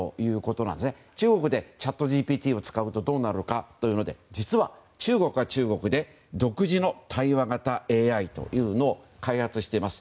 中国でチャットＧＰＴを使うとどうなるのかということで実は、中国は中国で独自の対話型ＡＩを開発しています。